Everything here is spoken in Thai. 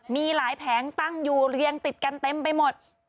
มีหลายแผงตั้งอยู่เรียงติดกันเต็มไปหมด